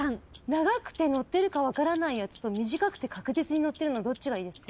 長くて載ってるか分からないやつと短くて確実に載ってるのどっちがいいですか？